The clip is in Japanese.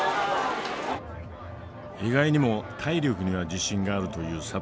意外にも体力には自信があるというサトシ。